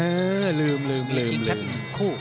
เออลืมลืมลืมมีชิงแชมป์อีกหนึ่งคู่